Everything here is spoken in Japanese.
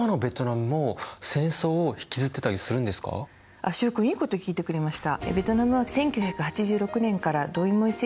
ところで習君いいこと聞いてくれました！